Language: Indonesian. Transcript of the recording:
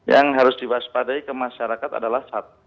yang harus diwaspadai ke masyarakat adalah satu